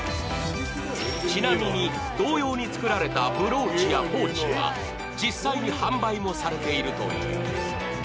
ちなみに、同様に作られたブローチやポーチは実際に販売もされているという。